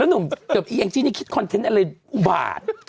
แล้วหนุ่มแต่แองจี้นี่คิดคอนเทนต์อะไรบาด